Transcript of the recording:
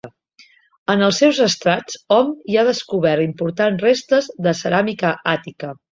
En els seus estrats hom hi ha descobert importants restes de ceràmica àtica.